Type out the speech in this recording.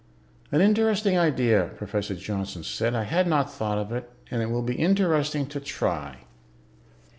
"An interesting idea," Professor Johnson said. "I had not thought of it, and it will be interesting to try.